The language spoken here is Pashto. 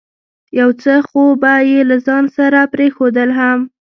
یو څه خو به یې له ځانه سره پرېښودل هم.